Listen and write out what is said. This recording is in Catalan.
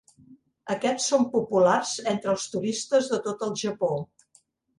Aquests són populars entre els turistes de tot el Japó.